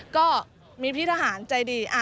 ก็มีพี่ทหารใจดี